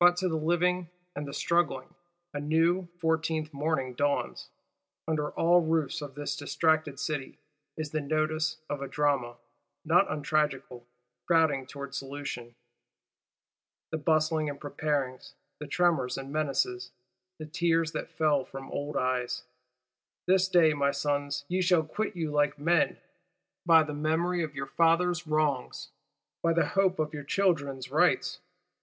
But, to the living and the struggling, a new, Fourteenth morning dawns. Under all roofs of this distracted City, is the nodus of a drama, not untragical, crowding towards solution. The bustlings and preparings, the tremors and menaces; the tears that fell from old eyes! This day, my sons, ye shall quit you like men. By the memory of your fathers' wrongs, by the hope of your children's rights!